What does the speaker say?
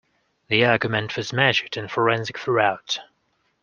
The argument was measured and forensic throughout.